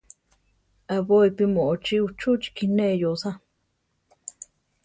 Aʼbóipi moʼochí uchúchiki neʼé yóosa.